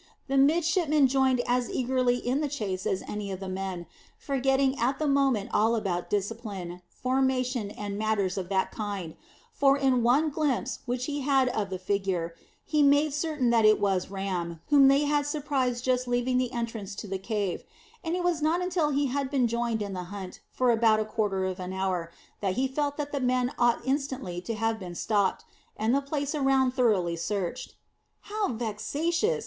The midshipman joined as eagerly in the chase as any of the men, forgetting at the moment all about discipline, formation, and matters of that kind, for in one glimpse which he had of the figure, he made certain that it was Ram, whom they had surprised just leaving the entrance to the cave; and it was not until he had been joined in the hunt for about a quarter of an hour, that he felt that the men ought instantly to have been stopped, and the place around thoroughly searched. "How vexatious!"